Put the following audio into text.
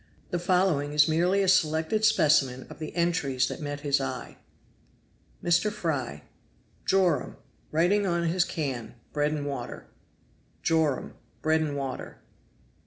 The following is merely a selected specimen of the entries that met his eye: MR. FRY. MR. HAWES. Joram.Writing on his can bread and Joram.Refractory bread and water.